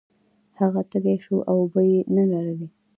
هغه تږی شو او اوبه یې نلرلې.